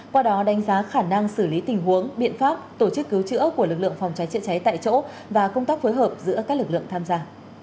qua đó đánh giá khả năng xử lý tình huống biện pháp tổ chức cứu chữa của lực lượng phòng cháy chữa cháy tại chỗ và công tác phối hợp giữa các lực lượng tham gia